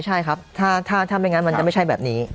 ใช่ครับถ้าไม่งั้นมันจะไม่ใช่แบบนี้